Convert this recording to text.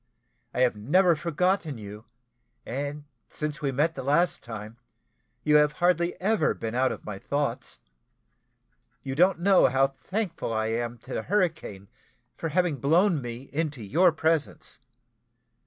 I have never forgotten you, and since we met the last time, you have hardly ever been out of my thoughts. You don't know how thankful I am to the hurricane for having blown me into your presence.